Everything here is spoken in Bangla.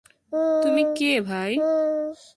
তুমি কে ভাই?